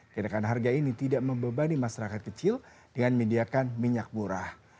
kenaikan harga ini tidak membebani masyarakat kecil dengan menyediakan minyak murah